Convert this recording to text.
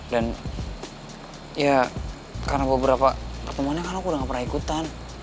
dan ya karena beberapa kemana mana kan aku udah gak pernah ikutan